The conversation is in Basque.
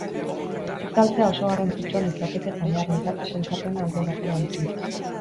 Ez galtzea oso garrantzitsua litzateke taldearentzat sailkapena albo batera utziz.